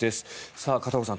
さあ、片岡さん